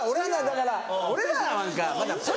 だから俺らなんかまだ。